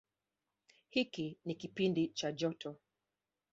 Hiki ni kipindi cha joto.